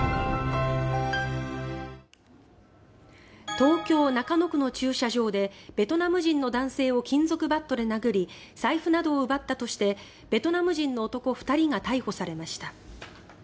東京・中野区の駐車場でベトナム人の男性を金属バットで殴り財布などを奪ったとしてベトナム人の男２人が逮捕されました。